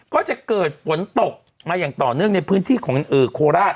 ก็จะเกิดฝนตกมาอย่างต่อเนื่องในพื้นที่ของโคราช